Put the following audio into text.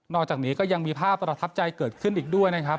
อกจากนี้ก็ยังมีภาพประทับใจเกิดขึ้นอีกด้วยนะครับ